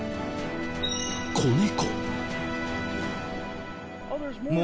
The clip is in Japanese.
子猫。